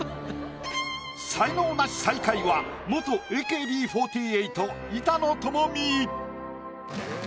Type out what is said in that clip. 才能ナシ最下位は元ＡＫＢ４８板野友美。